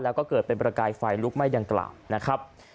แล้วก็เกิดเป็นประกายไฟลุกไหม้ดังกล่าวนะครับ